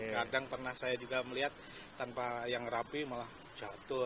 kadang pernah saya juga melihat tanpa yang rapi malah jatuh